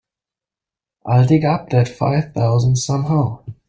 I'll dig up that five thousand somehow.